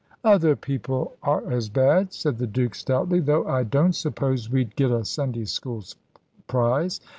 "Other people are as bad," said the Duke, stoutly, "though I don't suppose we'd get a Sunday School prize.